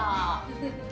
フフフ。